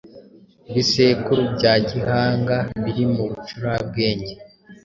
Ibisekuru bya Gihanga biri mu bucurabwenge